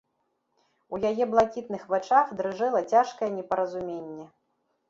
У яе блакітных вачах дрыжэла цяжкае непаразуменне.